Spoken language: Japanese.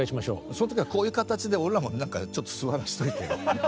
その時はこういう形で俺らもなんかちょっと座らしといてね。